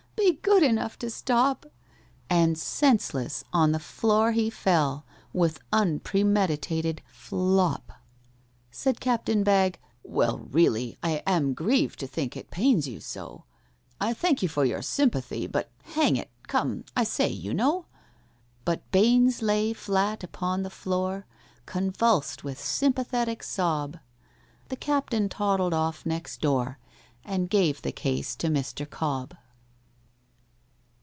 "Be good enough to stop." And senseless on the floor he fell, With unpremeditated flop! Said CAPTAIN BAGG, "Well, really I Am grieved to think it pains you so. I thank you for your sympathy; But, hang it!—come—I say, you know!" But BAINES lay flat upon the floor, Convulsed with sympathetic sob;— The Captain toddled off next door, And gave the case to MR. COBB.